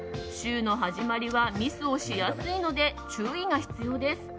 週の始まりはミスをしやすいので注意が必要です。